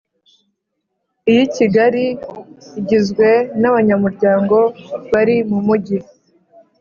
iy I Kigali igizwe n abanyamuryango bari mumugi